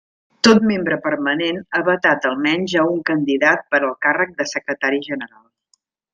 Tot membre permanent ha vetat almenys a un candidat per al càrrec de Secretari General.